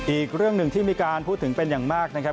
อีกเรื่องหนึ่งที่มีการพูดถึงเป็นอย่างมากนะครับ